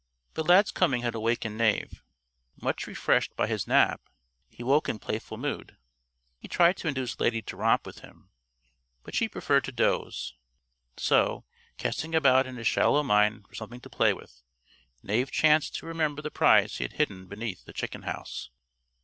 But Lad's coming had awakened Knave. Much refreshed by his nap, he woke in playful mood. He tried to induce Lady to romp with him, but she preferred to doze. So, casting about in his shallow mind for something to play with, Knave chanced to remember the prize he had hidden beneath the chicken house.